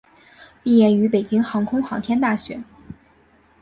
毕业于北京航空航天大学。